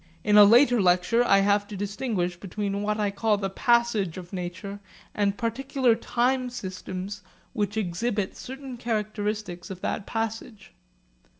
In a later lecture I have to distinguish between what I call the passage of nature and particular time systems which exhibit certain characteristics of that passage.